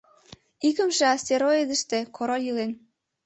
Икымше астероидыште король илен.